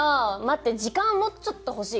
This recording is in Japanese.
時間もうちょっと欲しい。